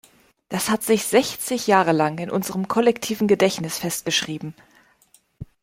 Das hat sich sechzig Jahre lang in unserem kollektiven Gedächtnis festgeschrieben.